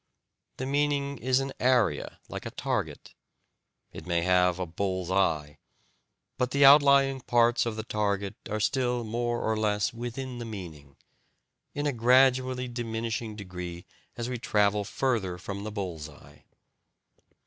The meaning is an area, like a target: it may have a bull's eye, but the outlying parts of the target are still more or less within the meaning, in a gradually diminishing degree as we travel further from the bull's eye.